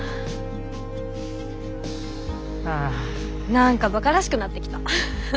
なんかバカらしくなってきた。